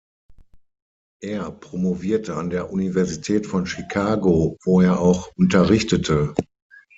Er promovierte an der Universität von Chicago, wo er auch unterrichtete.